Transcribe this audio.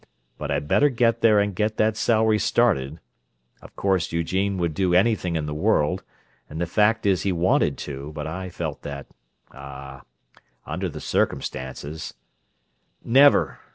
"But I'd better get there and get that salary started. Of course Eugene would do anything in the world, and the fact is he wanted to, but I felt that—ah—under the circumstances—" "Never!"